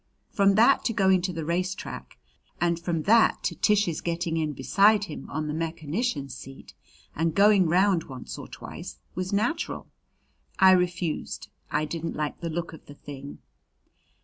From that to going to the race track, and from that to Tish's getting in beside him on the mechanician's seat and going round once or twice, was natural. I refused; I didn't like the look of the thing.